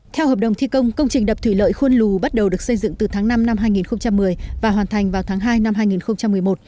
theo hợp đồng thi công công trình đập thủy lợi khuôn lù bắt đầu được xây dựng từ tháng năm năm hai nghìn một mươi và hoàn thành vào tháng hai năm hai nghìn một mươi một